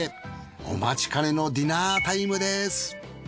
お待ちかねのディナータイムです。